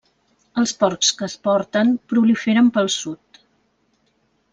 Els porcs que es porten proliferen pel sud.